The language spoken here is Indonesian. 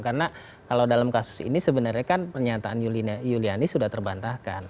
karena kalau dalam kasus ini sebenarnya kan pernyataan yuliani sudah terbantahkan